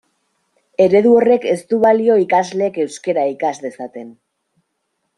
Eredu horrek ez du balio ikasleek euskara ikas dezaten.